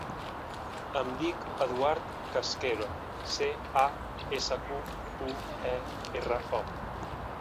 Em dic Eduard Casquero: ce, a, essa, cu, u, e, erra, o.